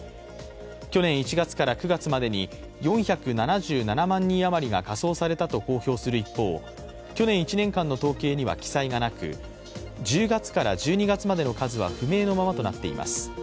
去年１月から９月までに４７７万人余りが火葬されたと公表する一方、去年１年間の統計には記載がなく１０月から１２月までの数は不明のままとなっています。